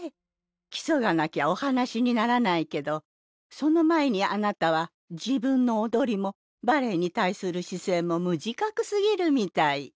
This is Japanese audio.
基礎がなきゃお話にならないけどその前にあなたは自分の踊りもバレエに対する姿勢も無自覚すぎるみたい。